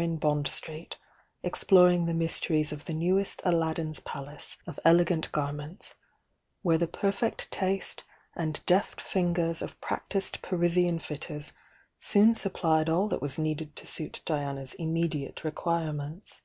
in Bond Street, exploring the mysteries of the newest Aladdin's palace of elegant garments, where the perfect taste and deft fingers of practised Parisian fitters soon supplied all that was needed to suit Diana's immediate requirements.